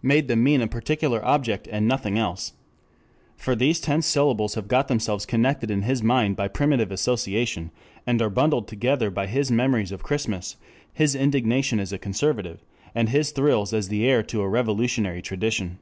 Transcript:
Made them mean a particular object and nothing else. For these tense syllables have got themselves connected in his mind by primitive association, and are bundled together by his memories of Christmas, his indignation as a conservative, and his thrills as the heir to a revolutionary tradition.